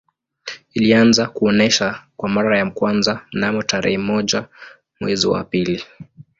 Ilianza kuonesha kwa mara ya kwanza mnamo tarehe moja mwezi wa pili